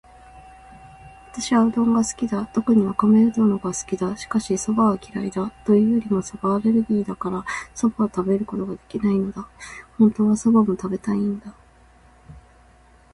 私はうどんが大好きだ。特にわかめうどんが好きだ。しかし、蕎麦は嫌いだ。というよりも蕎麦アレルギーだから、蕎麦を食べることができないのだ。本当は蕎麦も食べたいんだ。